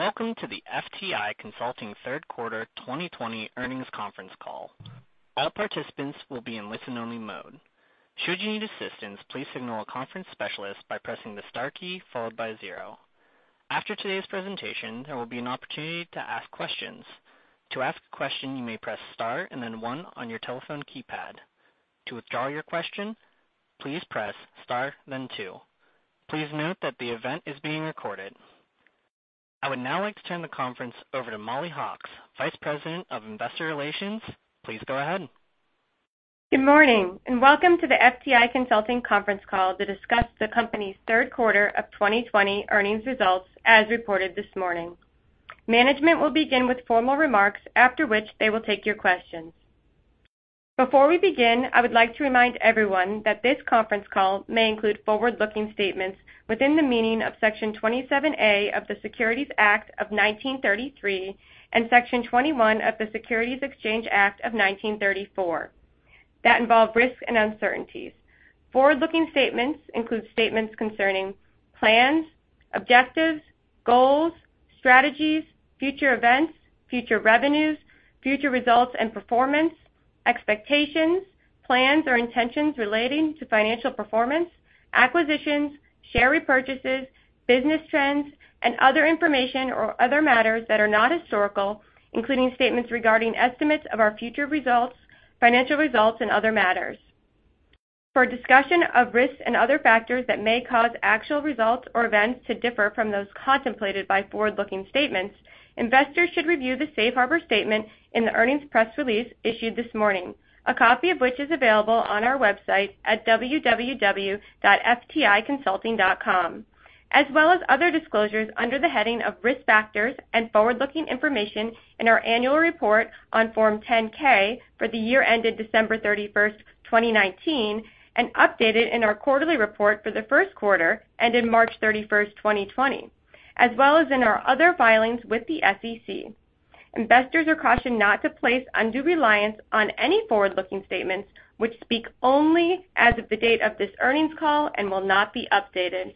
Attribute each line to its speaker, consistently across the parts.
Speaker 1: Welcome to the FTI Consulting third quarter 2020 earnings conference call. All participants will be in only-listen mode. Should you need assistance signal a conference specialist by pressing star keys followed by zero. After the today's presentation there will be an opportunity to ask questions. To ask a question you may press star and then one on your telephone keypad. To withdrawal your question please press star then two. Please note that the event is now being recorded. I would now like to turn the conference over to Mollie Hawkes, Vice President of Investor Relations. Please go ahead.
Speaker 2: Good morning, and welcome to the FTI Consulting conference call to discuss the company's third quarter of 2020 earnings results, as reported this morning. Management will begin with formal remarks, after which they will take your questions. Before we begin, I would like to remind everyone that this conference call may include forward-looking statements within the meaning of Section 27A of the Securities Act of 1933 and Section 21E of the Securities Exchange Act of 1934 that involve risks and uncertainties. Forward-looking statements include statements concerning plans, objectives, goals, strategies, future events, future revenues, future results and performance, expectations, plans or intentions relating to financial performance, acquisitions, share repurchases, business trends, and other information or other matters that are not historical, including statements regarding estimates of our future results, financial results, and other matters. For a discussion of risks and other factors that may cause actual results or events to differ from those contemplated by forward-looking statements, investors should review the safe harbor statement in the earnings press release issued this morning, a copy of which is available on our website at www.fticonsulting.com, as well as other disclosures under the heading of Risk Factors and Forward-Looking Information in our annual report on Form 10-K for the year ended December 31st, 2019, and updated in our quarterly report for the first quarter ended March 31st, 2020, as well as in our other filings with the SEC. Investors are cautioned not to place undue reliance on any forward-looking statements which speak only as of the date of this earnings call and will not be updated.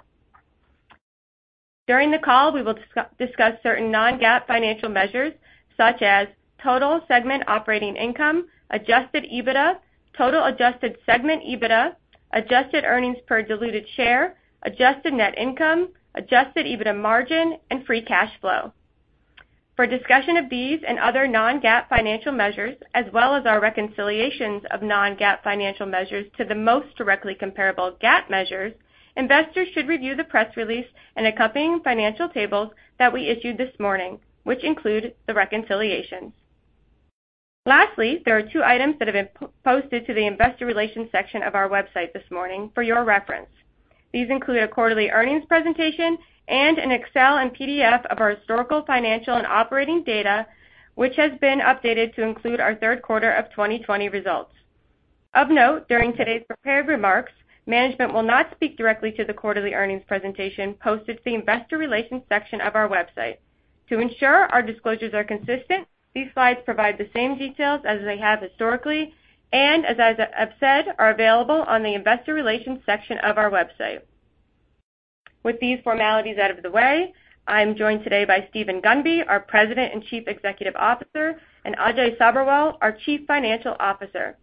Speaker 2: During the call, we will discuss certain non-GAAP financial measures such as total segment operating income, adjusted EBITDA, total adjusted segment EBITDA, adjusted earnings per diluted share, adjusted net income, adjusted EBITDA margin, and free cash flow. For discussion of these and other non-GAAP financial measures, as well as our reconciliations of non-GAAP financial measures to the most directly comparable GAAP measures, investors should review the press release and accompanying financial tables that we issued this morning, which include the reconciliations. Lastly, there are two items that have been posted to the investor relations section of our website this morning for your reference. These include a quarterly earnings presentation and an Excel and PDF of our historical, financial, and operating data, which has been updated to include our third quarter of 2020 results. Of note, during today's prepared remarks, management will not speak directly to the quarterly earnings presentation posted to the investor relations section of our website. To ensure our disclosures are consistent, these slides provide the same details as they have historically and, as I've said, are available on the investor relations section of our website. With these formalities out of the way, I am joined today by Steven Gunby, our President and Chief Executive Officer, and Ajay Sabherwal, our Chief Financial Officer.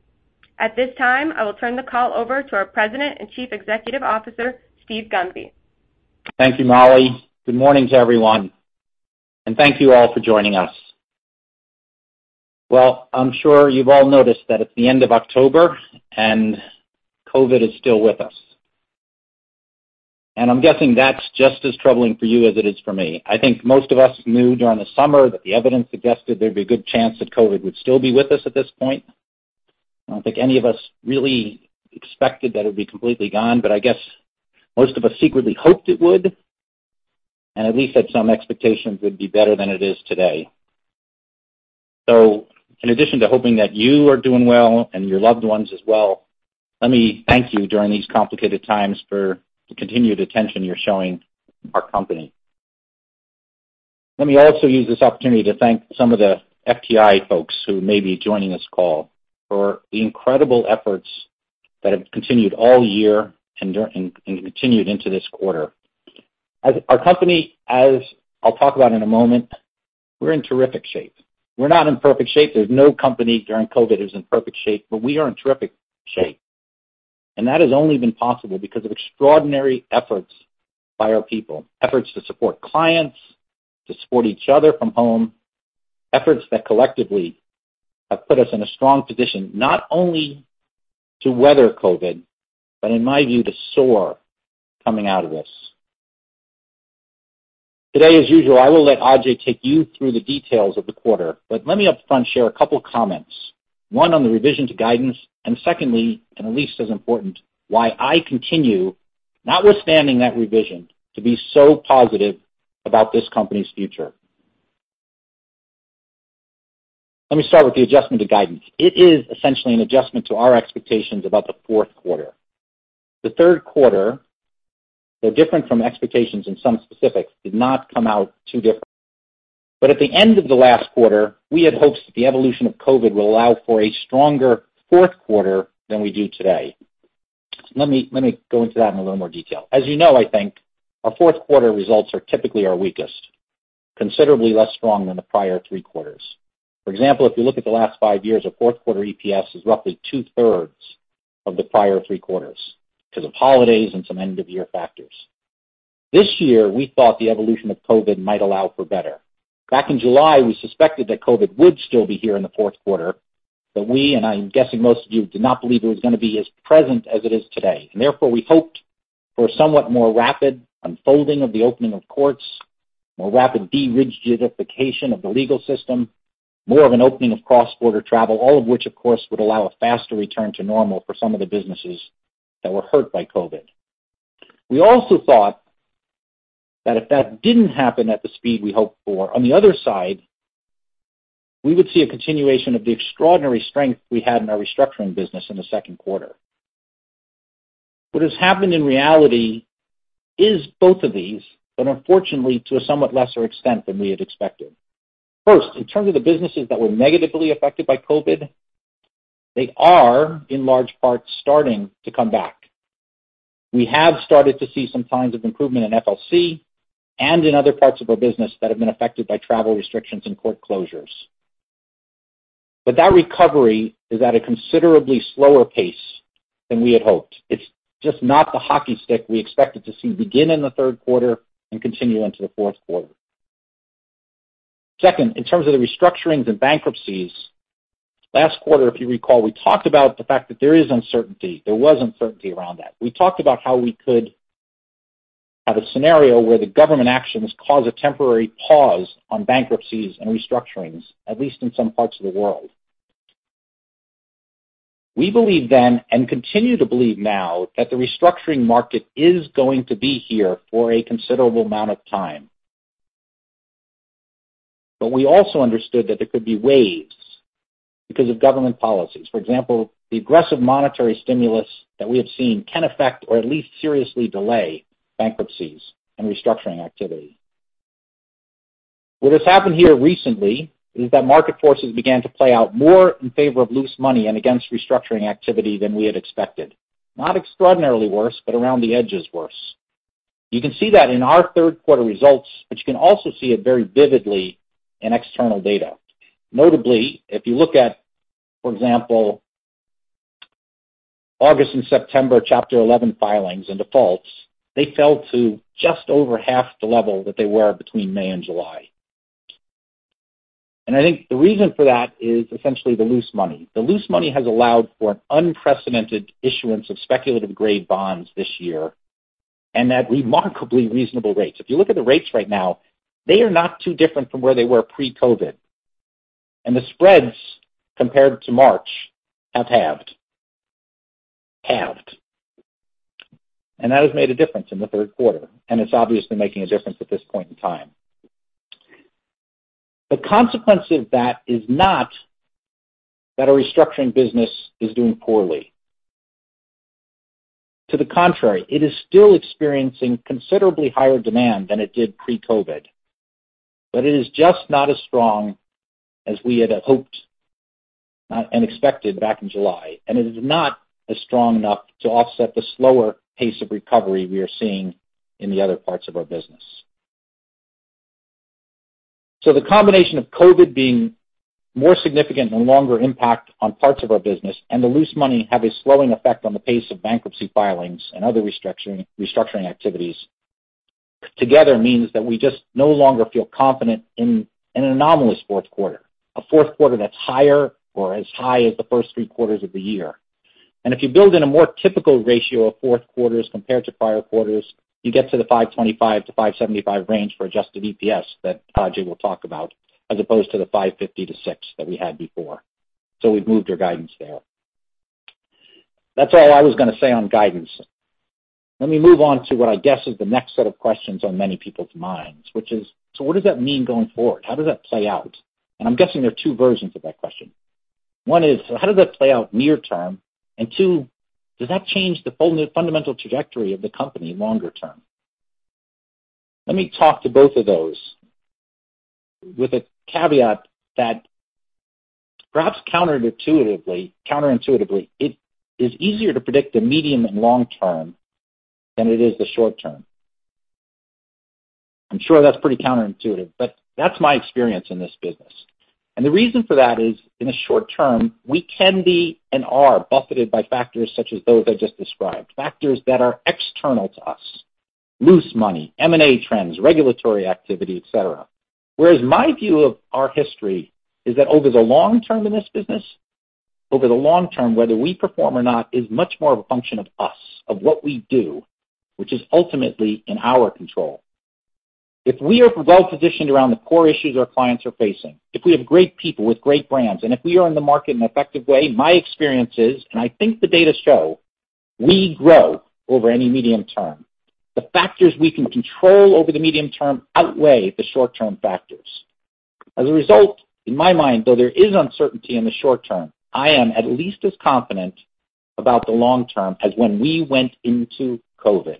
Speaker 2: At this time, I will turn the call over to our President and Chief Executive Officer, Steve Gunby.
Speaker 3: Thank you, Mollie. Good morning to everyone, and thank you all for joining us. Well, I'm sure you've all noticed that it's the end of October and COVID is still with us. I'm guessing that's just as troubling for you as it is for me. I think most of us knew during the summer that the evidence suggested there'd be a good chance that COVID would still be with us at this point. I don't think any of us really expected that it would be completely gone, but I guess most of us secretly hoped it would and at least had some expectations it would be better than it is today. In addition to hoping that you are doing well and your loved ones as well, let me thank you during these complicated times for the continued attention you're showing our company. Let me also use this opportunity to thank some of the FTI folks who may be joining this call for the incredible efforts that have continued all year and continued into this quarter. As a company, as I'll talk about in a moment, we're in terrific shape. We're not in perfect shape. There's no company during COVID who's in perfect shape, but we are in terrific shape. And that has only been possible because of extraordinary efforts by our people, efforts to support clients, to support each other from home, efforts that collectively have put us in a strong position not only to weather COVID, but in my view, to soar coming out of this. Today, as usual, I will let Ajay take you through the details of the quarter. Let me upfront share a couple comments, one on the revision to guidance and secondly, and at least as important, why I continue, notwithstanding that revision, to be so positive about this company's future. Let me start with the adjustment to guidance. It is essentially an adjustment to our expectations about the fourth quarter. The third quarter, though different from expectations in some specifics, did not come out too different. At the end of the last quarter, we had hopes that the evolution of COVID would allow for a stronger fourth quarter than we do today. Let me go into that in a little more detail. As you know, I think, our fourth quarter results are typically our weakest, considerably less strong than the prior three quarters. For example, if you look at the last five years, our fourth quarter EPS is roughly 2/3 of the prior three quarters because of holidays and some end-of-year factors. This year, we thought the evolution of COVID might allow for better. Back in July, we suspected that COVID would still be here in the fourth quarter. We, and I'm guessing most of you, did not believe it was going to be as present as it is today. Therefore, we hoped for a somewhat more rapid unfolding of the opening of courts, more rapid de-rigidification of the legal system, more of an opening of cross-border travel, all of which, of course, would allow a faster return to normal for some of the businesses that were hurt by COVID. We also thought that if that didn't happen at the speed we hoped for, on the other side, we would see a continuation of the extraordinary strength we had in our restructuring business in the second quarter. What has happened in reality is both of these, but unfortunately to a somewhat lesser extent than we had expected. First, in terms of the businesses that were negatively affected by COVID, they are, in large part, starting to come back. We have started to see some signs of improvement in FLC and in other parts of our business that have been affected by travel restrictions and court closures. That recovery is at a considerably slower pace than we had hoped. It's just not the hockey stick we expected to see begin in the third quarter and continue into the fourth quarter. Second, in terms of the restructurings and bankruptcies, last quarter, if you recall, we talked about the fact that there is uncertainty. There was uncertainty around that. We talked about how we could have a scenario where the government actions cause a temporary pause on bankruptcies and restructurings, at least in some parts of the world. We believed then and continue to believe now that the restructuring market is going to be here for a considerable amount of time. We also understood that there could be waves because of government policies. For example, the aggressive monetary stimulus that we have seen can affect or at least seriously delay bankruptcies and restructuring activity. What has happened here recently is that market forces began to play out more in favor of loose money and against restructuring activity than we had expected. Not extraordinarily worse, but around the edges worse. You can see that in our third quarter results, but you can also see it very vividly in external data. Notably, if you look at, for example, August and September Chapter 11 filings and defaults, they fell to just over 1/2 the level that they were between May and July. I think the reason for that is essentially the loose money. The loose money has allowed for an unprecedented issuance of speculative-grade bonds this year and at remarkably reasonable rates. If you look at the rates right now, they are not too different from where they were pre-COVID, and the spreads compared to March have halved. Halved. That has made a difference in the third quarter, and it's obviously making a difference at this point in time. The consequence of that is not that our restructuring business is doing poorly. To the contrary, it is still experiencing considerably higher demand than it did pre-COVID. It is just not as strong as we had hoped and expected back in July, and it is not as strong enough to offset the slower pace of recovery we are seeing in the other parts of our business. The combination of COVID being more significant and longer impact on parts of our business and the loose money have a slowing effect on the pace of bankruptcy filings and other restructuring activities together means that we just no longer feel confident in an anomalous fourth quarter, a fourth quarter that's higher or as high as the first three quarters of the year. If you build in a more typical ratio of fourth quarters compared to prior quarters, you get to the $5.25-$5.75 range for adjusted EPS that Ajay will talk about, as opposed to the $5.50-$6.00 that we had before. We've moved our guidance there. That's all I was going to say on guidance. Let me move on to what I guess is the next set of questions on many people's minds, which is, what does that mean going forward? How does that play out? I'm guessing there are two versions of that question. One is, how does that play out near term? Two, does that change the fundamental trajectory of the company longer term? Let me talk to both of those with a caveat that perhaps counterintuitively, it is easier to predict the medium and long term than it is the short term. I'm sure that's pretty counterintuitive, but that's my experience in this business. The reason for that is, in the short term, we can be and are buffeted by factors such as those I just described, factors that are external to us, loose money, M&A trends, regulatory activity, et cetera. Whereas my view of our history is that over the long term in this business, over the long term, whether we perform or not is much more of a function of us, of what we do, which is ultimately in our control. If we are well-positioned around the core issues our clients are facing, if we have great people with great brands, and if we are in the market in an effective way, my experience is, and I think the data show, we grow over any medium term. The factors we can control over the medium term outweigh the short-term factors. In my mind, though there is uncertainty in the short term, I am at least as confident about the long term as when we went into COVID.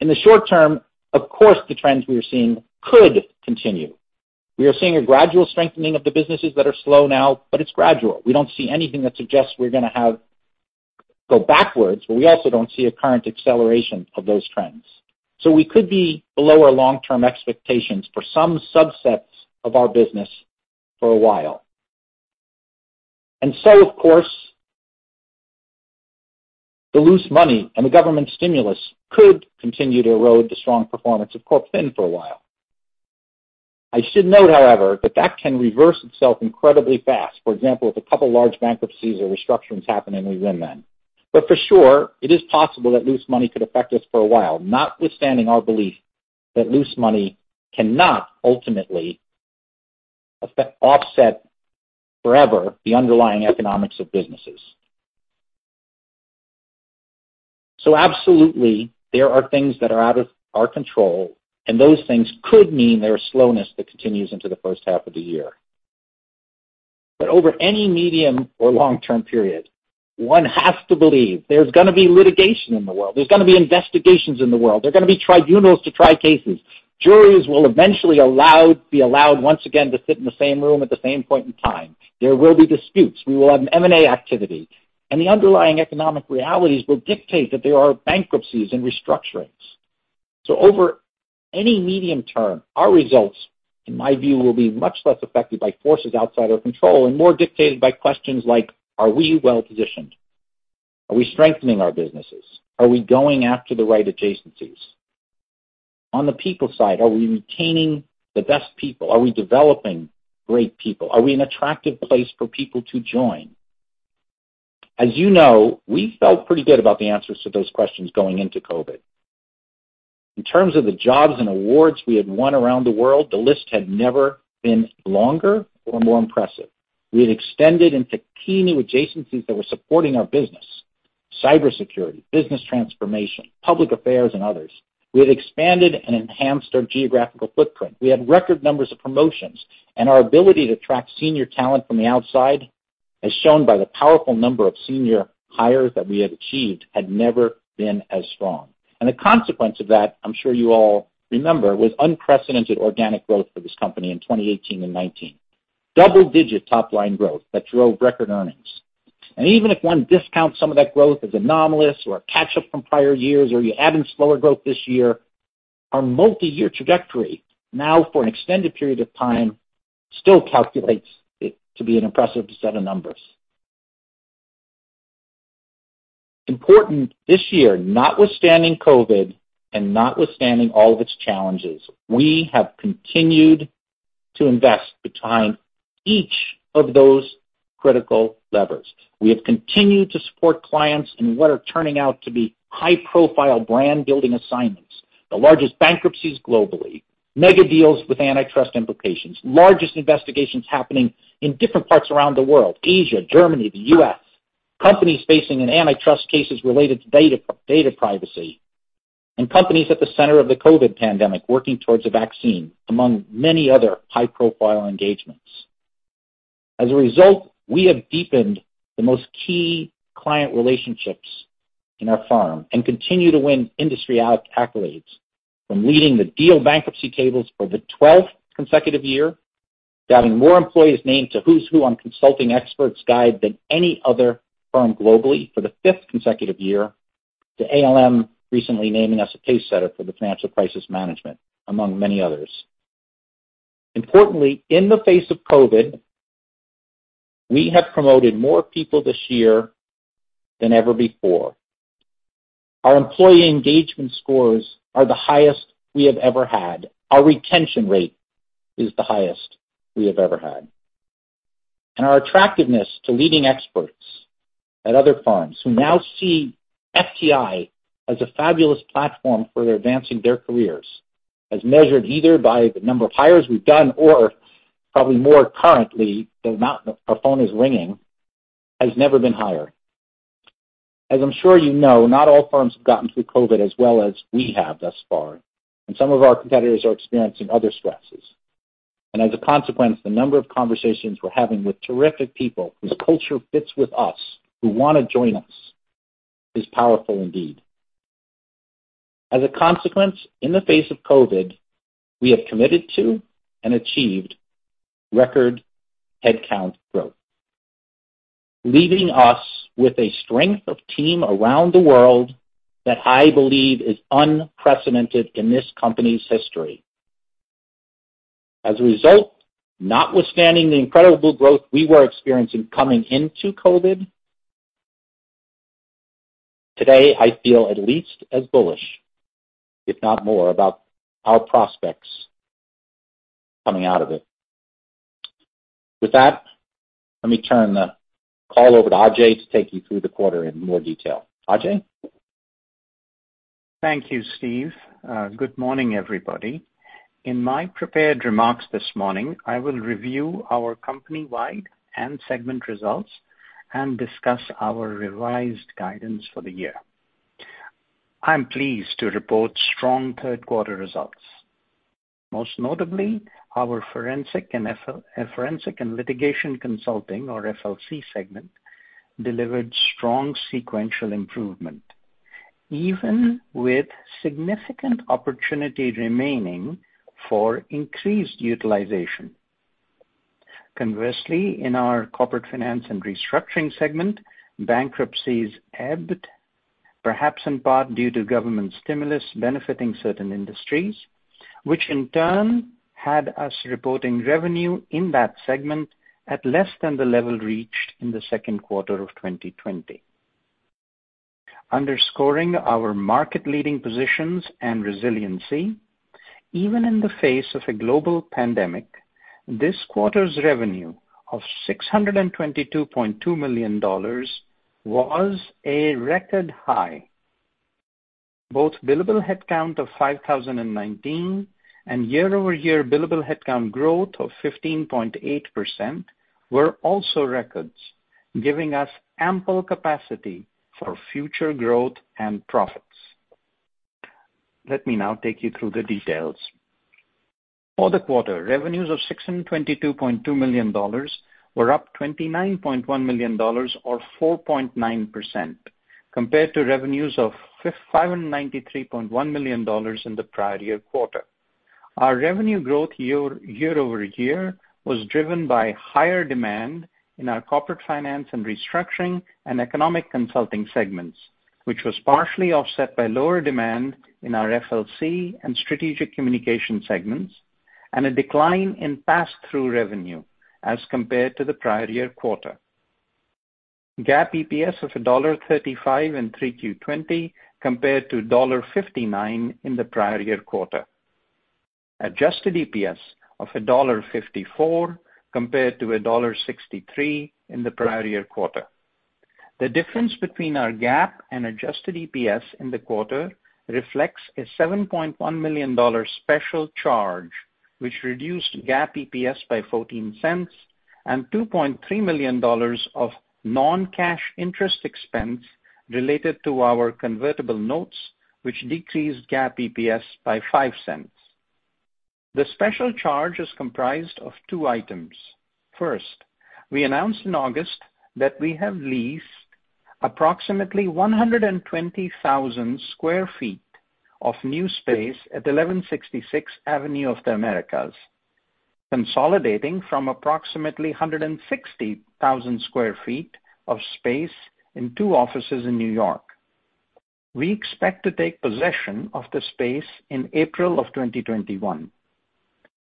Speaker 3: In the short term, of course, the trends we are seeing could continue. We are seeing a gradual strengthening of the businesses that are slow now, but it's gradual. We don't see anything that suggests we're going to go backwards, but we also don't see a current acceleration of those trends. We could be below our long-term expectations for some subsets of our business for a while. Of course, the loose money and the government stimulus could continue to erode the strong performance of CorpFin for a while. I should note, however, that that can reverse itself incredibly fast. For sure, it is possible that loose money could affect us for a while, notwithstanding our belief that loose money cannot ultimately offset forever the underlying economics of businesses. Absolutely, there are things that are out of our control, and those things could mean there is slowness that continues into the first half of the year. Over any medium or long-term period, one has to believe there's going to be litigation in the world. There's going to be investigations in the world. There are going to be tribunals to try cases. Juries will eventually be allowed, once again, to sit in the same room at the same point in time. There will be disputes. We will have M&A activity, and the underlying economic realities will dictate that there are bankruptcies and restructurings. Over any medium-term, our results, in my view, will be much less affected by forces outside our control and more dictated by questions like, are we well-positioned? Are we strengthening our businesses? Are we going after the right adjacencies? On the people side, are we retaining the best people? Are we developing great people? Are we an attractive place for people to join? As you know, we felt pretty good about the answers to those questions going into COVID. In terms of the jobs and awards we had won around the world, the list had never been longer or more impressive. We had extended into key new adjacencies that were supporting our business, cybersecurity, business transformation, public affairs, and others. We had expanded and enhanced our geographical footprint. We had record numbers of promotions, and our ability to attract senior talent from the outside, as shown by the powerful number of senior hires that we have achieved, had never been as strong. The consequence of that, I'm sure you all remember, was unprecedented organic growth for this company in 2018 and 2019. Double-digit top-line growth that drove record earnings. Even if one discounts some of that growth as anomalous or a catch-up from prior years or you add in slower growth this year, our multi-year trajectory now for an extended period of time still calculates it to be an impressive set of numbers. Important this year, notwithstanding COVID and notwithstanding all of its challenges, we have continued to invest behind each of those critical levers. We have continued to support clients in what are turning out to be high-profile brand-building assignments, the largest bankruptcies globally, mega deals with antitrust implications, largest investigations happening in different parts around the world, Asia, Germany, the U.S., companies facing antitrust cases related to data privacy, and companies at the center of the COVID pandemic working towards a vaccine, among many other high-profile engagements. As a result, we have deepened the most key client relationships in our firm and continue to win industry accolades from leading The Deal bankruptcy tables for the 12th consecutive year, having more employees named to Who's Who Legal than any other firm globally for the fifth consecutive year, to ALM recently naming us a pacesetter for the financial crisis management, among many others. Importantly, in the face of COVID, we have promoted more people this year than ever before. Our employee engagement scores are the highest we have ever had. Our retention rate is the highest we have ever had. Our attractiveness to leading experts at other firms who now see FTI as a fabulous platform for advancing their careers, as measured either by the number of hires we've done or probably more currently, the amount that our phone is ringing, has never been higher. As I'm sure you know, not all firms have gotten through COVID as well as we have thus far, and some of our competitors are experiencing other stresses. As a consequence, the number of conversations we're having with terrific people whose culture fits with us, who want to join us, is powerful indeed. As a consequence, in the face of COVID, we have committed to and achieved record headcount growth, leaving us with a strength of team around the world that I believe is unprecedented in this company's history. As a result, notwithstanding the incredible growth we were experiencing coming into COVID, today I feel at least as bullish, if not more, about our prospects coming out of it. With that, let me turn the call over to Ajay to take you through the quarter in more detail. Ajay?
Speaker 4: Thank you, Steve. Good morning, everybody. In my prepared remarks this morning, I will review our company-wide and segment results and discuss our revised guidance for the year. I am pleased to report strong third-quarter results. Most notably, our Forensic and Litigation Consulting, or FLC segment, delivered strong sequential improvement, even with significant opportunity remaining for increased utilization. Conversely, in our Corporate Finance & Restructuring segment, bankruptcies ebbed, perhaps in part due to government stimulus benefiting certain industries, which in turn had us reporting revenue in that segment at less than the level reached in the second quarter of 2020. Underscoring our market-leading positions and resiliency, even in the face of a global pandemic, this quarter's revenue of $622.2 million was a record high. Both billable headcount of 5,019 and year-over-year billable headcount growth of 15.8% were also records, giving us ample capacity for future growth and profits. Let me now take you through the details. For the quarter, revenues of $622.2 million were up $29.1 million or 4.9% compared to revenues of $593.1 million in the prior year quarter. Our revenue growth year-over-year was driven by higher demand in our Corporate Finance & Restructuring and Economic Consulting segments, which was partially offset by lower demand in our FLC and Strategic Communications segments, and a decline in pass-through revenue as compared to the prior year quarter. GAAP EPS of $1.35 in 3Q2020 compared to $1.59 in the prior year quarter. Adjusted EPS of $1.54 compared to $1.63 in the prior year quarter. The difference between our GAAP and adjusted EPS in the quarter reflects a $7.1 million special charge, which reduced GAAP EPS by $0.14 and $2.3 million of non-cash interest expense related to our convertible notes, which decreased GAAP EPS by $0.05. The special charge is comprised of two items. First, we announced in August that we have leased approximately 120,000 sq ft of new space at 1166 Avenue of the Americas, consolidating from approximately 160,000 sq ft of space in two offices in New York. We expect to take possession of the space in April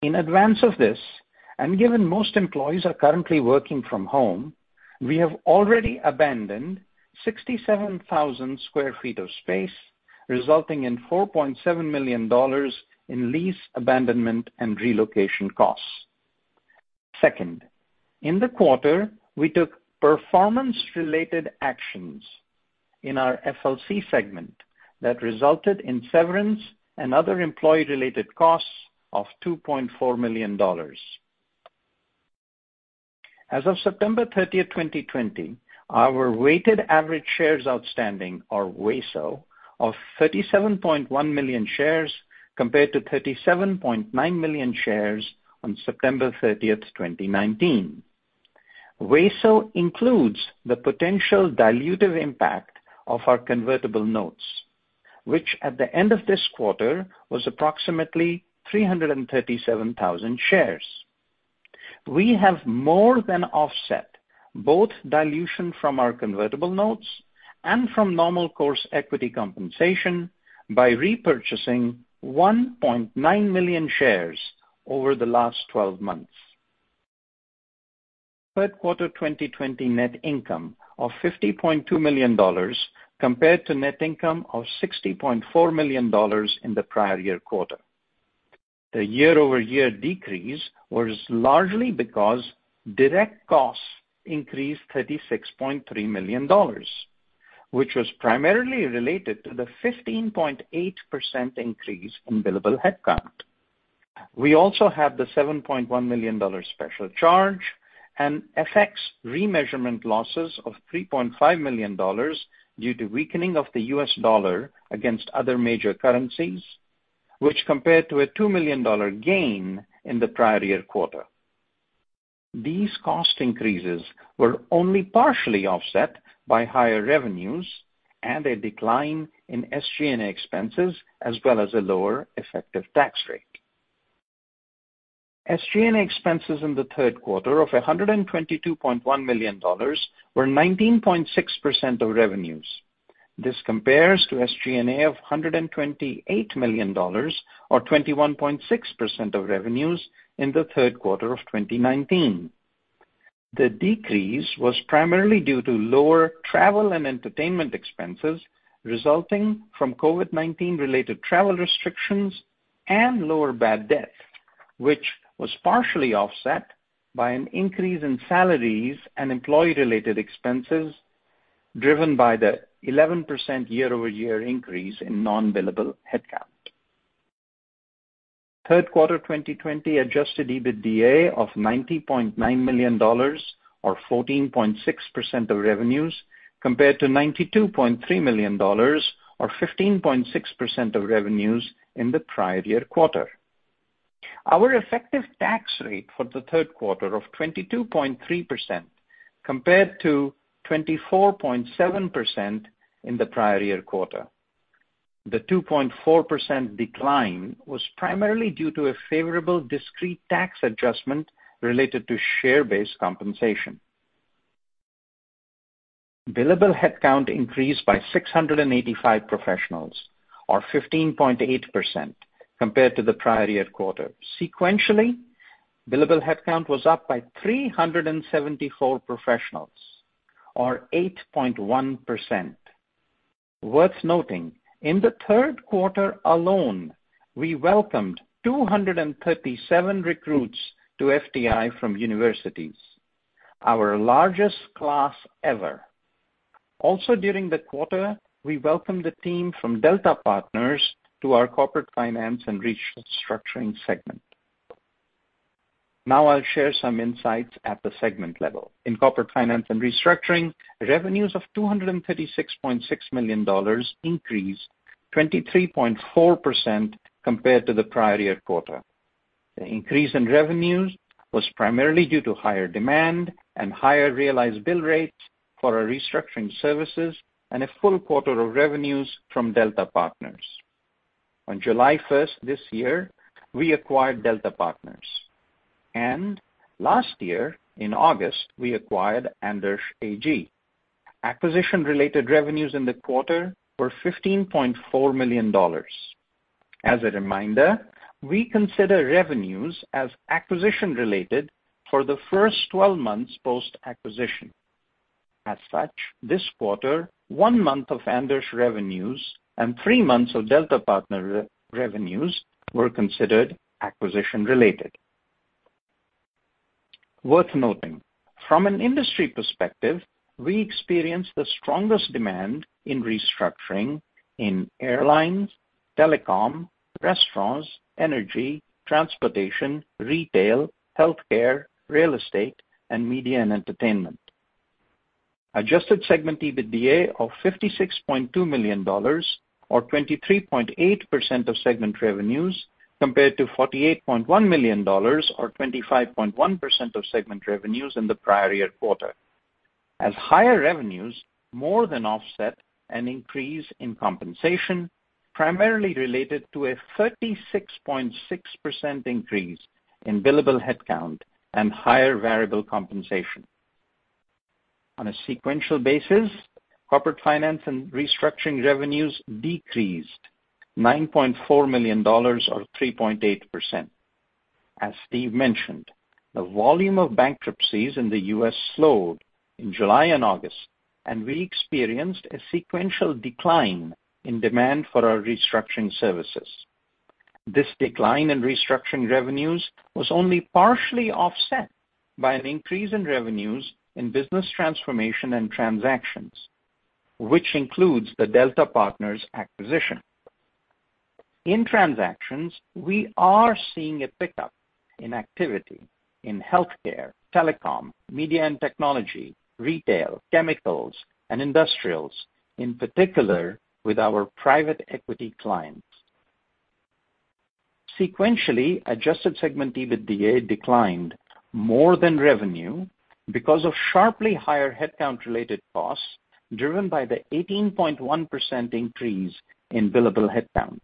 Speaker 4: of 2021. In advance of this, and given most employees are currently working from home, we have already abandoned 67,000 sq ft of space, resulting in $4.7 million in lease abandonment and relocation costs. Second, in the quarter, we took performance-related actions in our FLC segment that resulted in severance and other employee-related costs of $2.4 million. As of September 30th, 2020, our weighted average shares outstanding, or WASO, of 37.1 million shares compared to 37.9 million shares on September 30th, 2019. WASO includes the potential dilutive impact of our convertible notes, which at the end of this quarter was approximately 337,000 shares. We have more than offset both dilution from our convertible notes and from normal course equity compensation by repurchasing 1.9 million shares over the last 12 months. Third quarter 2020 net income of $50.2 million compared to net income of $60.4 million in the prior year quarter. The year-over-year decrease was largely because direct costs increased $36.3 million, which was primarily related to the 15.8% increase in billable headcount. We also have the $7.1 million special charge and FX remeasurement losses of $3.5 million due to weakening of the US dollar against other major currencies, which compared to a $2 million gain in the prior year quarter. These cost increases were only partially offset by higher revenues and a decline in SG&A expenses, as well as a lower effective tax rate. SG&A expenses in the third quarter of $122.1 million were 19.6% of revenues. This compares to SG&A of $128 million, or 21.6% of revenues in the third quarter of 2019. The decrease was primarily due to lower travel and entertainment expenses resulting from COVID-19-related travel restrictions and lower bad debt, which was partially offset by an increase in salaries and employee-related expenses driven by the 11% year-over-year increase in non-billable headcount. Third quarter 2020 adjusted EBITDA of $90.9 million or 14.6% of revenues compared to $92.3 million or 15.6% of revenues in the prior year quarter. Our effective tax rate for the third quarter of 22.3%, compared to 24.7% in the prior year quarter. The 2.4% decline was primarily due to a favorable discrete tax adjustment related to share-based compensation. Billable headcount increased by 685 professionals, or 15.8%, compared to the prior year quarter. Sequentially, billable headcount was up by 374 professionals, or 8.1%. Worth noting, in the third quarter alone, we welcomed 237 recruits to FTI from universities, our largest class ever. Also, during the quarter, we welcomed a team from Delta Partners to our Corporate Finance & Restructuring segment. Now I'll share some insights at the segment level. In Corporate Finance & Restructuring, revenues of $236.6 million increased 23.4% compared to the prior year quarter. The increase in revenues was primarily due to higher demand and higher realized bill rates for our restructuring services and a full quarter of revenues from Delta Partners. On July 1st this year, we acquired Delta Partners. Last year in August, we acquired Andersch AG. Acquisition-related revenues in the quarter were $15.4 million. As a reminder, we consider revenues as acquisition-related for the first 12 months post-acquisition. As such, this quarter, one month of Andersch revenues and three months of Delta Partners revenues were considered acquisition-related. Worth noting, from an industry perspective, we experienced the strongest demand in restructuring in airlines, telecom, restaurants, energy, transportation, retail, healthcare, real estate, and media and entertainment. Adjusted segment EBITDA of $56.2 million, or 23.8% of segment revenues, compared to $48.1 million, or 25.1% of segment revenues in the prior-year quarter. As higher revenues more than offset an increase in compensation, primarily related to a 36.6% increase in billable headcount and higher variable compensation. On a sequential basis, Corporate Finance & Restructuring revenues decreased $9.4 million, or 3.8%. As Steve mentioned, the volume of bankruptcies in the U.S. slowed in July and August, and we experienced a sequential decline in demand for our restructuring services. This decline in restructuring revenues was only partially offset by an increase in revenues in business transformation and transactions, which includes the Delta Partners acquisition. In transactions, we are seeing a pickup in activity in healthcare, telecom, media and technology, retail, chemicals, and industrials, in particular with our private equity clients. Sequentially, adjusted segment EBITDA declined more than revenue because of sharply higher headcount-related costs, driven by the 18.1% increase in billable headcount.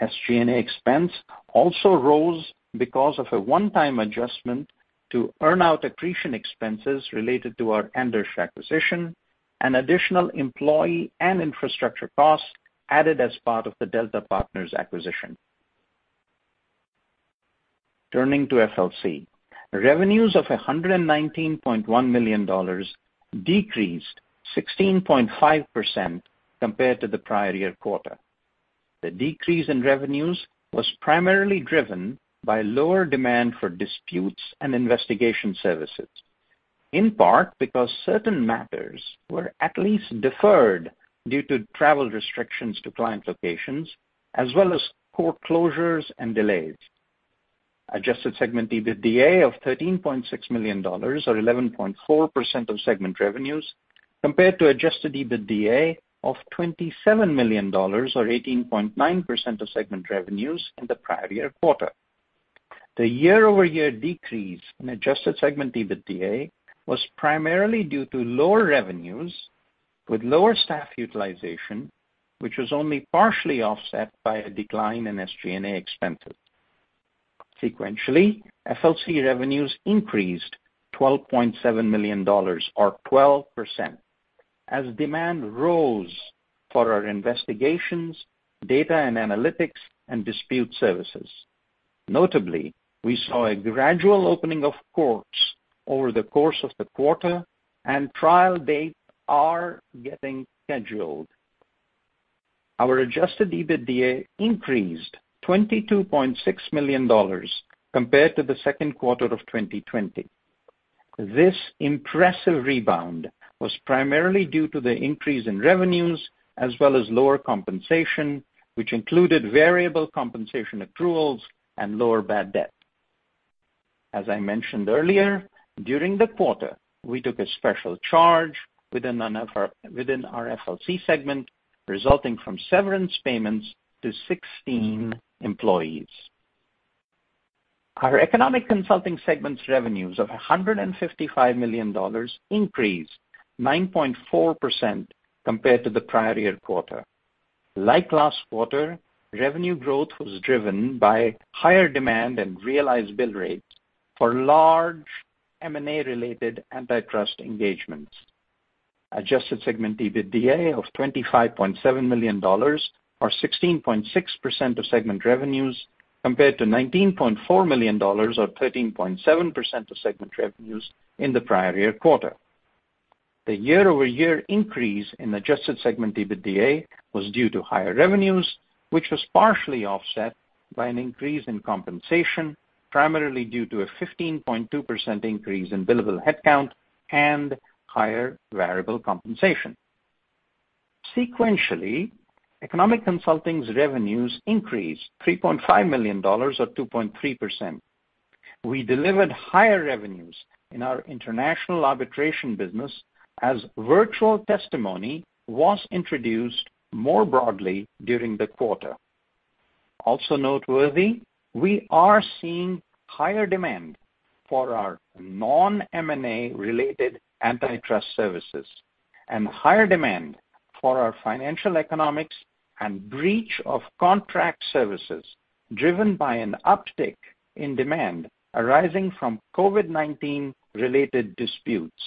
Speaker 4: SG&A expense also rose because of a one-time adjustment to earn-out accretion expenses related to our Andersch acquisition and additional employee and infrastructure costs added as part of the Delta Partners acquisition. Turning to FLC. Revenues of $119.1 million decreased 16.5% compared to the prior year quarter. The decrease in revenues was primarily driven by lower demand for disputes and investigation services, in part because certain matters were at least deferred due to travel restrictions to client locations, as well as court closures and delays. Adjusted segment EBITDA of $13.6 million, or 11.4% of segment revenues, compared to adjusted EBITDA of $27 million, or 18.9% of segment revenues in the prior year quarter. The year-over-year decrease in adjusted segment EBITDA was primarily due to lower revenues with lower staff utilization, which was only partially offset by a decline in SG&A expenses. Sequentially, FLC revenues increased $12.7 million, or 12%, as demand rose for our investigations, data and analytics, and dispute services. Notably, we saw a gradual opening of courts over the course of the quarter, and trial dates are getting scheduled. Our adjusted EBITDA increased $22.6 million compared to the second quarter of 2020. This impressive rebound was primarily due to the increase in revenues, as well as lower compensation, which included variable compensation accruals and lower bad debt. As I mentioned earlier, during the quarter, we took a special charge within our FLC segment, resulting from severance payments to 16 employees. Our Economic Consulting segment's revenues of $155 million increased 9.4% compared to the prior year quarter. Like last quarter, revenue growth was driven by higher demand and realized bill rates for large M&A-related antitrust engagements. Adjusted segment EBITDA of $25.7 million, or 16.6% of segment revenues, compared to $19.4 million, or 13.7% of segment revenues in the prior year quarter. The year-over-year increase in adjusted segment EBITDA was due to higher revenues, which was partially offset by an increase in compensation, primarily due to a 15.2% increase in billable headcount and higher variable compensation. Sequentially, Economic Consulting's revenues increased $3.5 million, or 2.3%. We delivered higher revenues in our international arbitration business as virtual testimony was introduced more broadly during the quarter. Also noteworthy, we are seeing higher demand for our non-M&A-related antitrust services, and higher demand for our financial economics and breach of contract services driven by an uptick in demand arising from COVID-19-related disputes.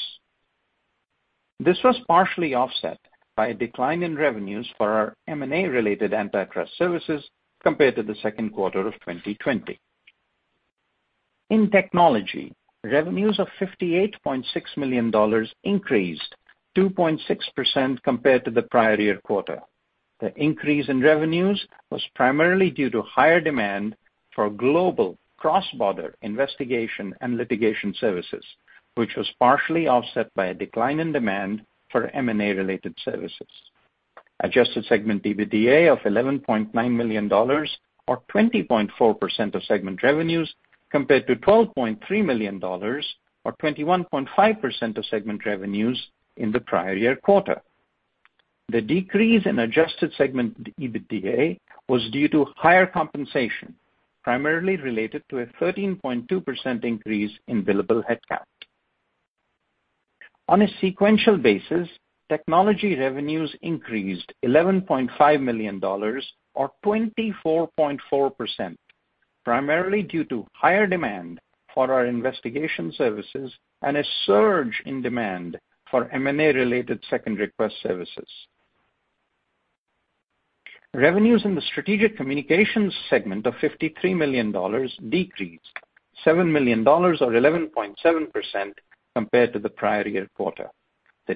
Speaker 4: This was partially offset by a decline in revenues for our M&A-related antitrust services compared to the second quarter of 2020. In Technology, revenues of $58.6 million increased 2.6% compared to the prior year quarter. The increase in revenues was primarily due to higher demand for global cross-border investigation and litigation services, which was partially offset by a decline in demand for M&A-related services. Adjusted segment EBITDA of $11.9 million, or 20.4% of segment revenues, compared to $12.3 million, or 21.5% of segment revenues in the prior year quarter. The decrease in adjusted segment EBITDA was due to higher compensation, primarily related to a 13.2% increase in billable headcount. On a sequential basis, technology revenues increased $11.5 million, or 24.4%, primarily due to higher demand for our investigation services and a surge in demand for M&A-related second request services. Revenues in the Strategic Communications segment of $53 million decreased $7 million, or 11.7%, compared to the prior year quarter. The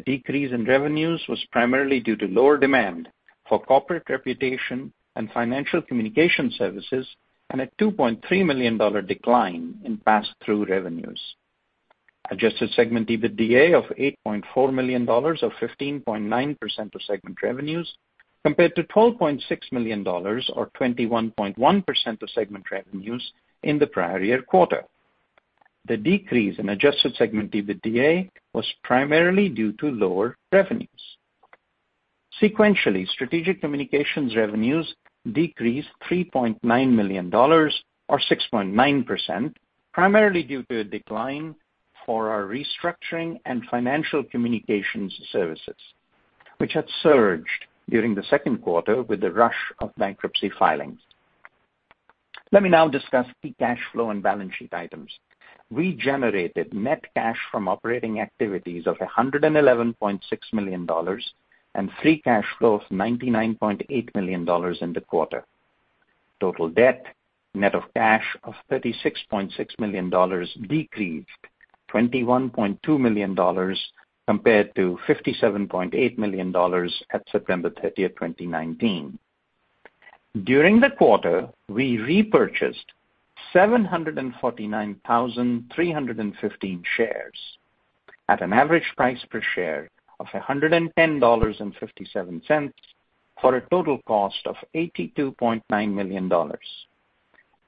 Speaker 4: decrease in revenues was primarily due to lower demand for corporate reputation and financial communication services, and a $2.3 million decline in pass-through revenues. Adjusted segment EBITDA of $8.4 million, or 15.9% of segment revenues, compared to $12.6 million, or 21.1% of segment revenues in the prior year quarter. The decrease in adjusted segment EBITDA was primarily due to lower revenues. Sequentially, Strategic Communications revenues decreased $3.9 million, or 6.9%, primarily due to a decline for our restructuring and financial communications services, which had surged during the second quarter with the rush of bankruptcy filings. Let me now discuss free cash flow and balance sheet items. We generated net cash from operating activities of $111.6 million and free cash flow of $99.8 million in the quarter. Total debt, net of cash of $36.6 million, decreased $21.2 million compared to $57.8 million at September 30th, 2019. During the quarter, we repurchased 749,315 shares at an average price per share of $110.57 for a total cost of $82.9 million.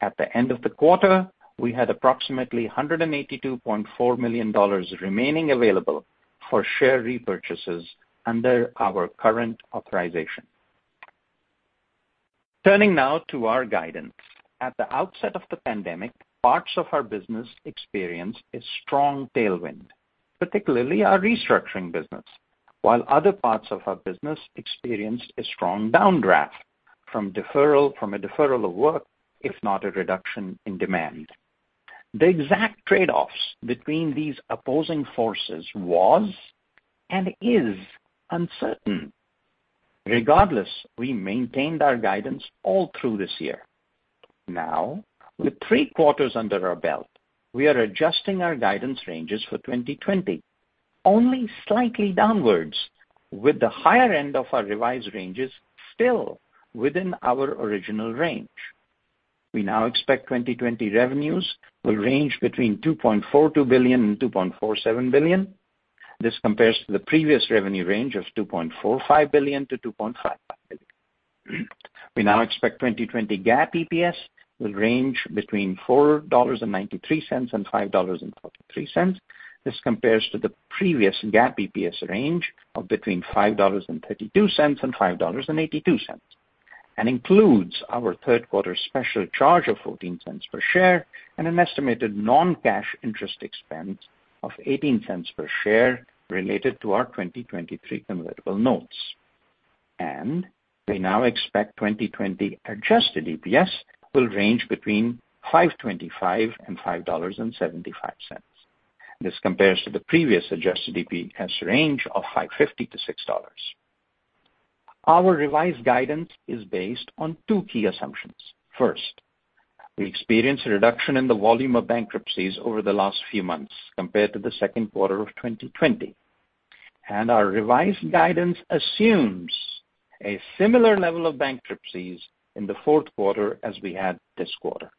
Speaker 4: At the end of the quarter, we had approximately $182.4 million remaining available for share repurchases under our current authorization. Turning now to our guidance. At the outset of the pandemic, parts of our business experienced a strong tailwind, particularly our restructuring business, while other parts of our business experienced a strong downdraft from a deferral of work, if not a reduction in demand. The exact trade-offs between these opposing forces was and is uncertain. Regardless, we maintained our guidance all through this year. Now, with three quarters under our belt, we are adjusting our guidance ranges for 2020 only slightly downwards, with the higher end of our revised ranges still within our original range. We now expect 2020 revenues will range between $2.42 billion and $2.47 billion. This compares to the previous revenue range of $2.45 billion-$2.55 billion. We now expect 2020 GAAP EPS will range between $4.93 and $5.43. This compares to the previous GAAP EPS range of between $5.32 and $5.82, and includes our third quarter special charge of $0.14 per share and an estimated non-cash interest expense of $0.18 per share related to our 2023 convertible notes. We now expect 2020 adjusted EPS will range between $5.25 and $5.75. This compares to the previous adjusted EPS range of $5.50 to $6. Our revised guidance is based on two key assumptions. First, we experienced a reduction in the volume of bankruptcies over the last few months compared to the second quarter of 2020. Our revised guidance assumes a similar level of bankruptcies in the fourth quarter as we had this quarter.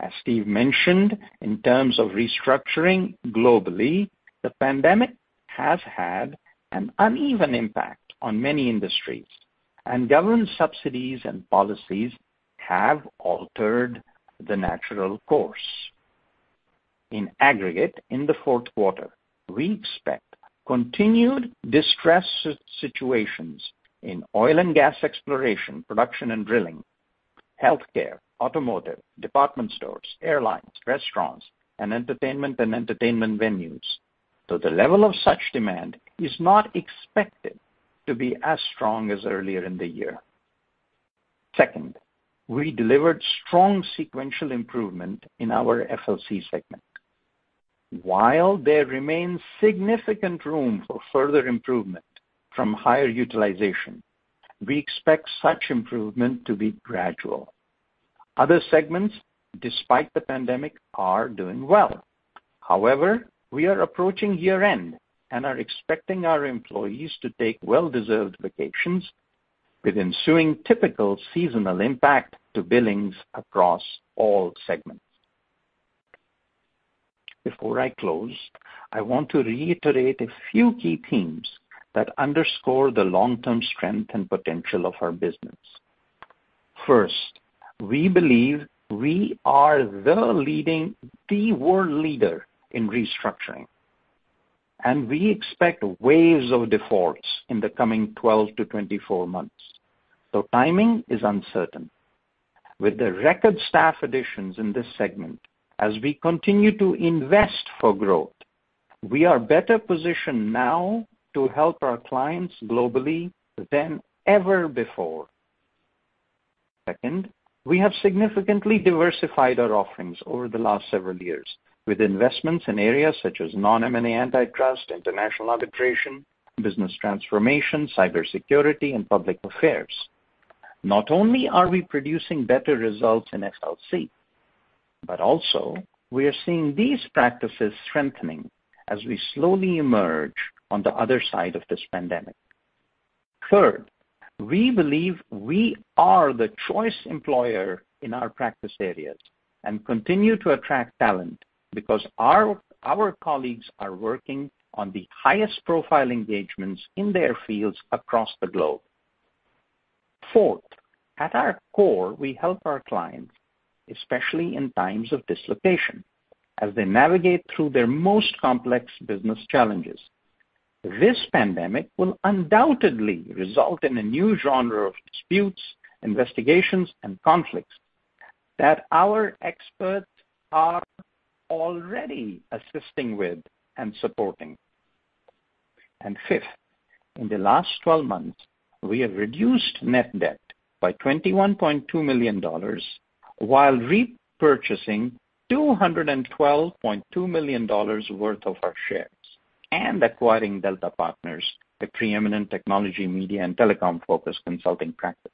Speaker 4: As Steve mentioned, in terms of restructuring globally, the pandemic has had an uneven impact on many industries, and government subsidies and policies have altered the natural course. In aggregate, in the fourth quarter, we expect continued distressed situations in oil and gas exploration, production and drilling, healthcare, automotive, department stores, airlines, restaurants, and entertainment and entertainment venues, though the level of such demand is not expected to be as strong as earlier in the year. Second, we delivered strong sequential improvement in our FLC segment. While there remains significant room for further improvement from higher utilization, we expect such improvement to be gradual. Other segments, despite the pandemic, are doing well. However, we are approaching year-end and are expecting our employees to take well-deserved vacations with ensuing typical seasonal impact to billings across all segments. Before I close, I want to reiterate a few key themes that underscore the long-term strength and potential of our business. First, we believe we are the world leader in restructuring, and we expect waves of defaults in the coming 12 to 24 months, so timing is uncertain. With the record staff additions in this segment, as we continue to invest for growth, we are better positioned now to help our clients globally than ever before. Second, we have significantly diversified our offerings over the last several years with investments in areas such as non-M&A antitrust, international arbitration, business transformation, cybersecurity, and public affairs. Not only are we producing better results in FLC, but also we are seeing these practices strengthening as we slowly emerge on the other side of this pandemic. Third, we believe we are the choice employer in our practice areas and continue to attract talent because our colleagues are working on the highest-profile engagements in their fields across the globe. Fourth, at our core, we help our clients, especially in times of dislocation, as they navigate through their most complex business challenges. This pandemic will undoubtedly result in a new genre of disputes, investigations, and conflicts that our experts are already assisting with and supporting. Fifth, in the last 12 months, we have reduced net debt by $21.2 million while repurchasing $212.2 million worth of our shares and acquiring Delta Partners, the preeminent technology, media, and telecom-focused consulting practice.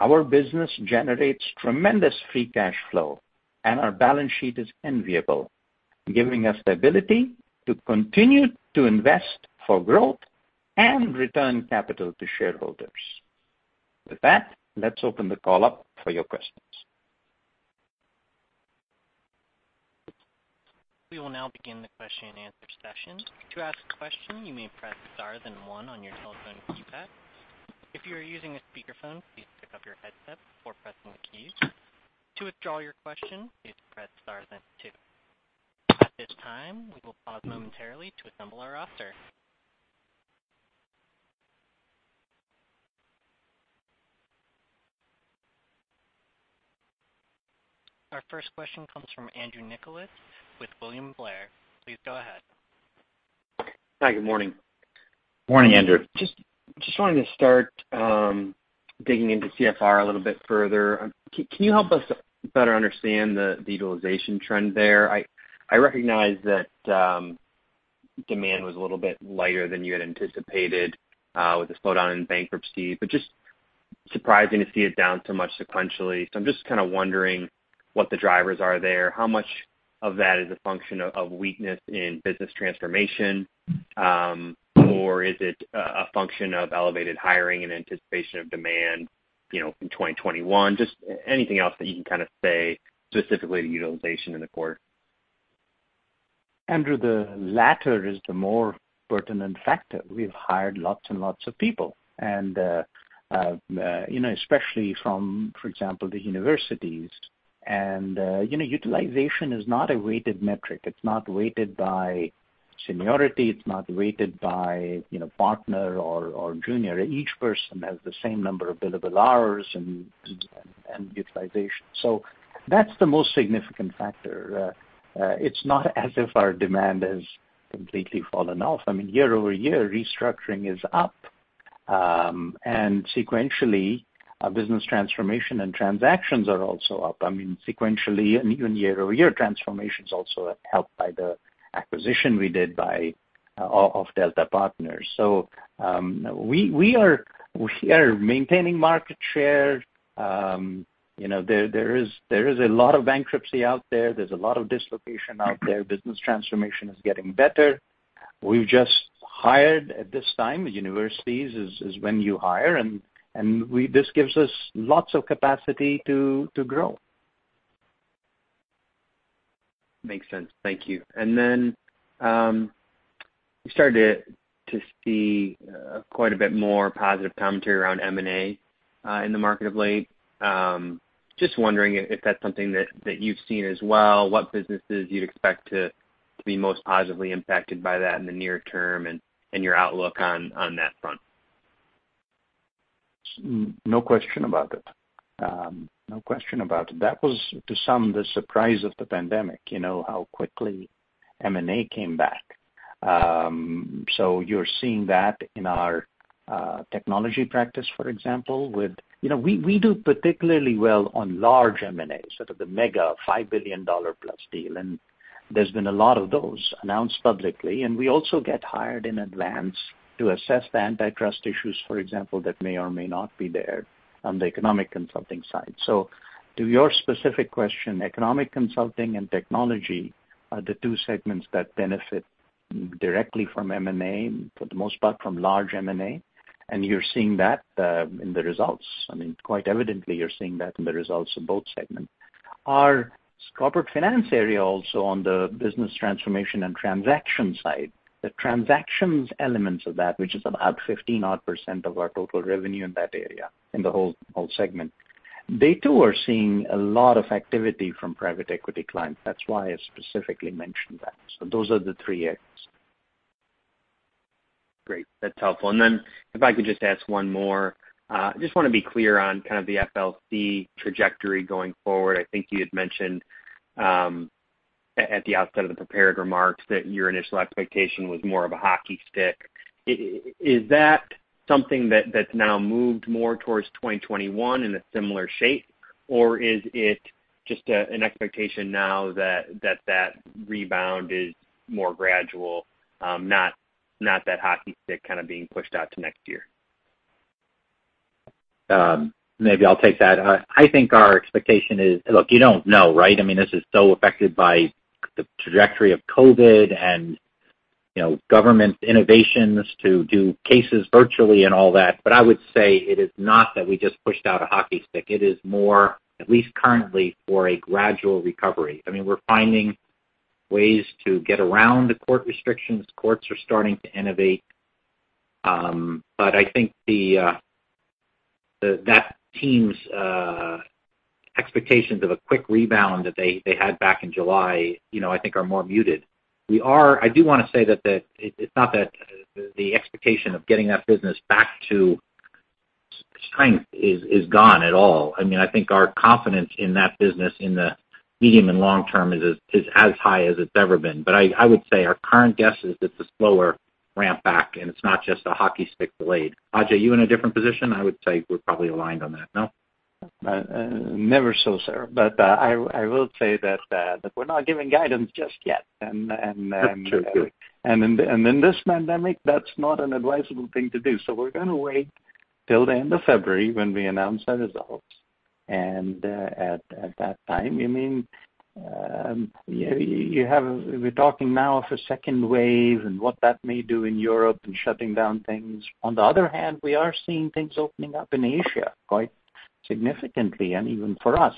Speaker 4: Our business generates tremendous free cash flow, and our balance sheet is enviable, giving us the ability to continue to invest for growth and return capital to shareholders. With that, let's open the call up for your questions.
Speaker 1: We will now begin the question-and-answer session. To ask a question you may press star then one on your telephone keypad. If your using a speaker phone please pick up your headset before pressing the the keys. To withdrawal your question you may press star then two. At this time we will pause momentarily to assemble our roster. Our first question comes from Andrew Nicholas with William Blair. Please go ahead.
Speaker 5: Hi, good morning.
Speaker 4: Morning, Andrew.
Speaker 5: Just wanted to start digging into CFR a little bit further. Can you help us better understand the utilization trend there? I recognize that demand was a little bit lighter than you had anticipated with the slowdown in bankruptcy, but just surprising to see it down so much sequentially. I'm just kind of wondering what the drivers are there. How much of that is a function of weakness in business transformation? Is it a function of elevated hiring in anticipation of demand in 2021? Just anything else that you can say specifically to utilization in the quarter.
Speaker 4: Andrew, the latter is the more pertinent factor. We've hired lots and lots of people, especially from, for example, the universities. Utilization is not a weighted metric. It's not weighted by seniority. It's not weighted by partner or junior. Each person has the same number of billable hours and utilization. That's the most significant factor. It's not as if our demand has completely fallen off. Year-over-year, restructuring is up. Sequentially, business transformation and transactions are also up. Sequentially and even year-over-year, transformation's also helped by the acquisition we did of Delta Partners. We are maintaining market share. There is a lot of bankruptcy out there. There's a lot of dislocation out there. Business transformation is getting better. We've just hired at this time. Universities is when you hire, this gives us lots of capacity to grow.
Speaker 5: Makes sense. Thank you. We started to see quite a bit more positive commentary around M&A in the market of late. Just wondering if that's something that you've seen as well, what businesses you'd expect to be most positively impacted by that in the near term, and your outlook on that front.
Speaker 4: No question about it. That was, to some, the surprise of the pandemic, how quickly M&A came back. You're seeing that in our technology practice, for example. We do particularly well on large M&A, sort of the mega $5 billion+ deal, and there's been a lot of those announced publicly, and we also get hired in advance to assess the antitrust issues, for example, that may or may not be there on the Economic Consulting side. To your specific question, Economic Consulting and technology are the two segments that benefit directly from M&A, for the most part, from large M&A. You're seeing that in the results. Quite evidently, you're seeing that in the results of both segments. Our Corporate Finance area, also, on the business transformation and transaction side, the transactions elements of that, which is about 15-odd% of our total revenue in that area, in the whole segment. They, too, are seeing a lot of activity from private equity clients. That's why I specifically mentioned that. Those are the three areas.
Speaker 5: Great. That's helpful. Then if I could just ask one more. I just want to be clear on the FLC trajectory going forward. I think you had mentioned, at the outset of the prepared remarks, that your initial expectation was more of a hockey stick. Is that something that's now moved more towards 2021 in a similar shape, or is it just an expectation now that that rebound is more gradual, not that hockey stick being pushed out to next year?
Speaker 3: Maybe I'll take that. I think our expectation is, look, you don't know. This is so affected by the trajectory of COVID and government innovations to do cases virtually and all that. I would say it is not that we just pushed out a hockey stick. It is more, at least currently, for a gradual recovery. We're finding ways to get around the court restrictions. Courts are starting to innovate. I think that team's expectations of a quick rebound that they had back in July, I think are more muted. I do want to say that it's not that the expectation of getting that business back to strength is gone at all. I think our confidence in that business in the medium and long term is as high as it's ever been. I would say our current guess is it's a slower ramp back, and it's not just a hockey stick delayed. Ajay, are you in a different position? I would say we're probably aligned on that, no?
Speaker 4: Never so certain. I will say that we're not giving guidance just yet.
Speaker 3: That's true, too.
Speaker 4: In this pandemic, that's not an advisable thing to do. We're going to wait till the end of February when we announce our results. At that time, we're talking now of a second wave and what that may do in Europe and shutting down things. On the other hand, we are seeing things opening up in Asia quite significantly, and even for us.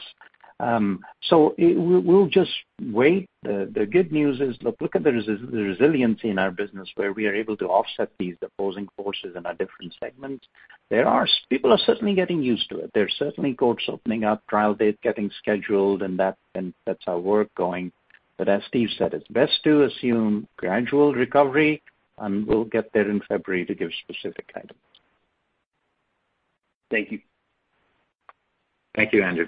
Speaker 4: We'll just wait. The good news is, look at the resiliency in our business, where we are able to offset these opposing forces in our different segments. People are certainly getting used to it. There's certainly courts opening up, trial dates getting scheduled, and that's our work going. As Steve said, it's best to assume gradual recovery, and we'll get there in February to give specific items.
Speaker 5: Thank you.
Speaker 3: Thank you, Andrew.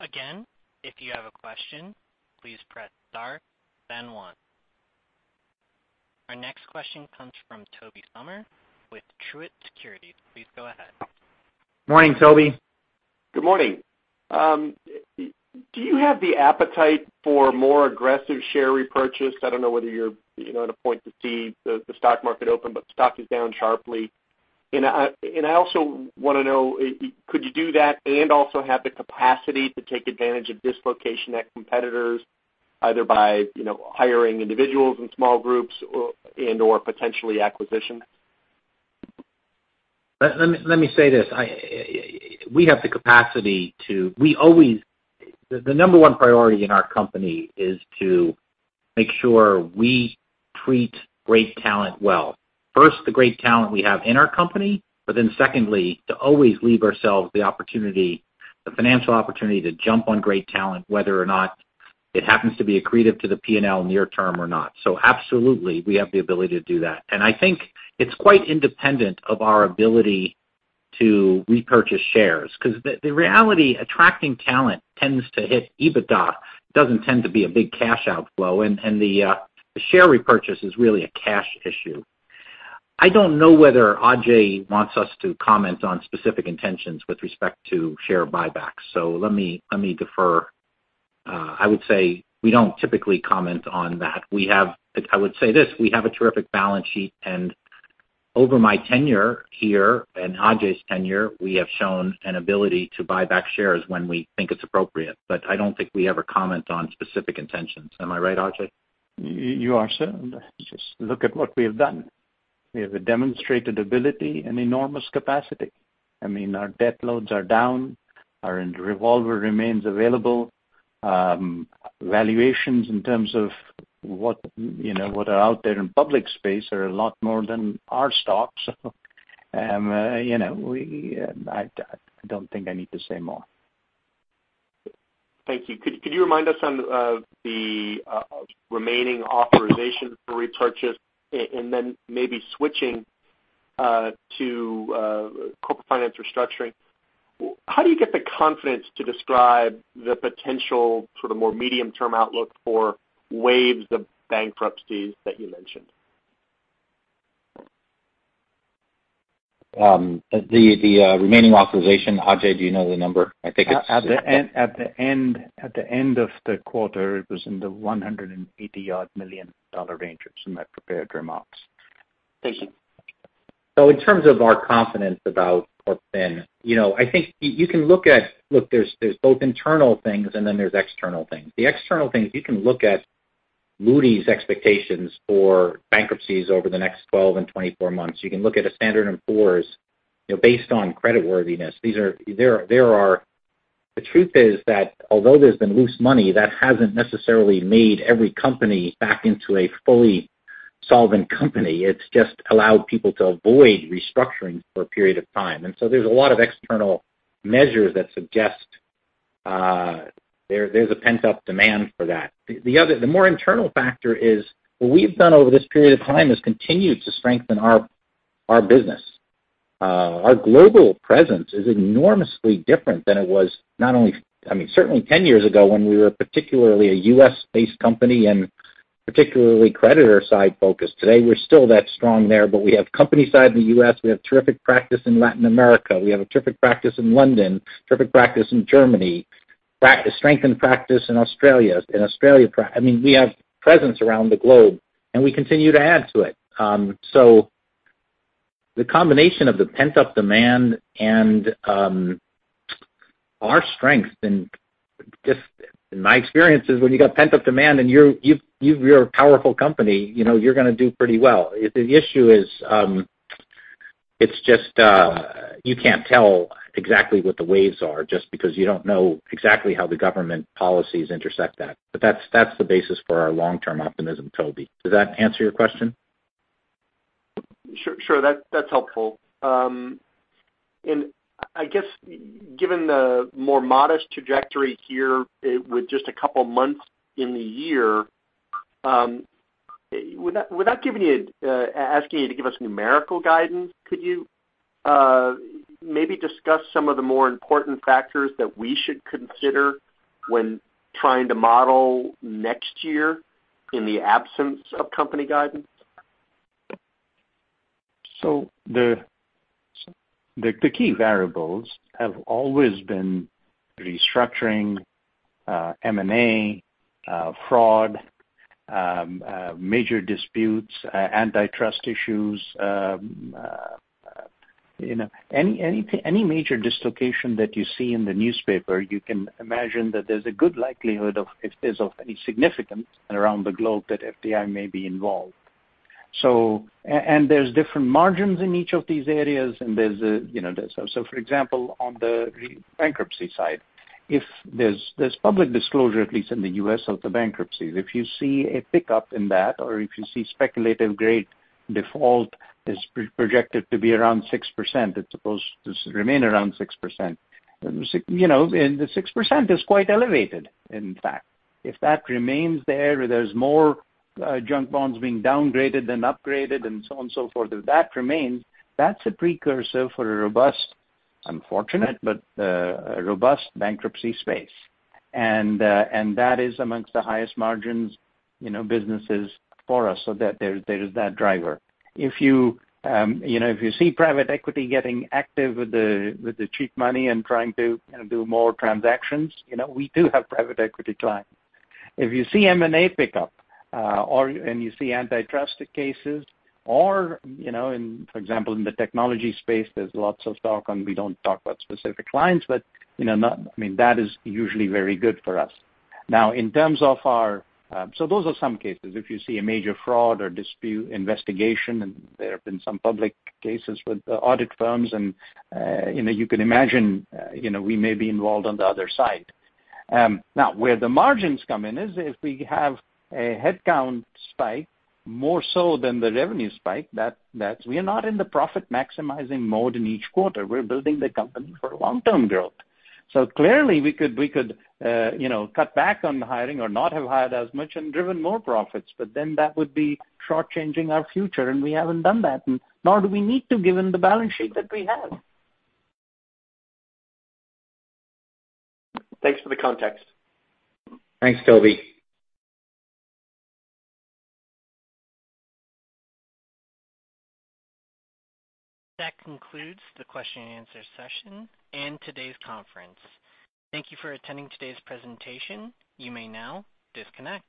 Speaker 1: Again, if you have a question, please press star then one. Our next question comes from Tobey Sommer with Truist Securities. Please go ahead.
Speaker 3: Morning, Tobey.
Speaker 6: Good morning. Do you have the appetite for more aggressive share repurchase? I don't know whether you're at a point to see the stock market open, but the stock is down sharply. I also want to know, could you do that and also have the capacity to take advantage of dislocation at competitors, either by hiring individuals in small groups and/or potentially acquisition?
Speaker 3: Let me say this. The number one priority in our company is to make sure we treat great talent well. First, the great talent we have in our company, secondly, to always leave ourselves the opportunity, the financial opportunity to jump on great talent, whether or not it happens to be accretive to the P&L near term or not. Absolutely, we have the ability to do that. I think it's quite independent of our ability to repurchase shares, because the reality, attracting talent tends to hit EBITDA, doesn't tend to be a big cash outflow, and the share repurchase is really a cash issue. I don't know whether Ajay wants us to comment on specific intentions with respect to share buybacks. Let me defer. I would say we don't typically comment on that. I would say this, we have a terrific balance sheet, and over my tenure here and Ajay's tenure, we have shown an ability to buy back shares when we think it's appropriate. I don't think we ever comment on specific intentions. Am I right, Ajay?
Speaker 4: You are, sir. Just look at what we have done. We have a demonstrated ability and enormous capacity. I mean, our debt loads are down, our revolver remains available. Valuations in terms of what are out there in public space are a lot more than our stocks. I don't think I need to say more.
Speaker 6: Thank you. Could you remind us on the remaining authorization for repurchase? Maybe switching to Corporate Finance & Restructuring, how do you get the confidence to describe the potential sort of more medium-term outlook for waves of bankruptcies that you mentioned?
Speaker 3: The remaining authorization, Ajay, do you know the number? I think it's-
Speaker 4: At the end of the quarter, it was in the $180 odd million range. It's in my prepared remarks.
Speaker 6: Thank you.
Speaker 3: In terms of our confidence about CorpFin, I think you can look at. Look, there's both internal things and then there's external things. The external things, you can look at Moody's expectations for bankruptcies over the next 12 and 24 months. You can look at a Standard & Poor's based on creditworthiness. The truth is that although there's been loose money, that hasn't necessarily made every company back into a fully solvent company. It's just allowed people to avoid restructuring for a period of time. There's a lot of external measures that suggest there's a pent-up demand for that. The more internal factor is what we've done over this period of time has continued to strengthen our business. Our global presence is enormously different than it was not only, I mean, certainly 10 years ago when we were particularly a U.S.-based company and particularly creditor side focus. Today, we're still that strong there, but we have company side in the U.S., we have terrific practice in Latin America. We have a terrific practice in London, terrific practice in Germany, strengthened practice in Australia. I mean, we have presence around the globe and we continue to add to it. The combination of the pent-up demand and our strength and just my experience is when you got pent-up demand and you're a powerful company, you're going to do pretty well. The issue is, it's just you can't tell exactly what the waves are just because you don't know exactly how the government policies intersect that. That's the basis for our long-term optimism, Tobey. Does that answer your question?
Speaker 6: Sure. That's helpful. I guess given the more modest trajectory here with just a couple of months in the year, without asking you to give us numerical guidance, could you maybe discuss some of the more important factors that we should consider when trying to model next year in the absence of company guidance?
Speaker 4: The key variables have always been restructuring, M&A, fraud, major disputes, antitrust issues. Any major dislocation that you see in the newspaper, you can imagine that there's a good likelihood if there's of any significance around the globe that FTI may be involved. There's different margins in each of these areas. For example, on the bankruptcy side, there's public disclosure, at least in the U.S., of the bankruptcies. If you see a pickup in that, or if you see speculative-grade default is projected to be around 6%, it's supposed to remain around 6%. The 6% is quite elevated, in fact. If that remains there's more junk bonds being downgraded than upgraded and so on and so forth. If that remains, that's a precursor for a robust, unfortunate, but a robust bankruptcy space. That is amongst the highest margins businesses for us. There is that driver. If you see private equity getting active with the cheap money and trying to do more transactions, we do have private equity clients. If you see M&A pickup, and you see antitrust cases or, for example, in the technology space, there's lots of talk, and we don't talk about specific clients, but that is usually very good for us. Those are some cases. If you see a major fraud or dispute investigation, and there have been some public cases with audit firms and you can imagine we may be involved on the other side. Now, where the margins come in is if we have a headcount spike, more so than the revenue spike. We are not in the profit-maximizing mode in each quarter. We're building the company for long-term growth. Clearly we could cut back on the hiring or not have hired as much and driven more profits, but then that would be short-changing our future, and we haven't done that, nor do we need to given the balance sheet that we have.
Speaker 6: Thanks for the context.
Speaker 4: Thanks, Tobey.
Speaker 1: That concludes the question and answer session and today's conference. Thank you for attending today's presentation. You may now disconnect.